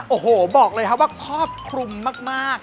โอ้โหบอกเลยครับว่าครอบคลุมมาก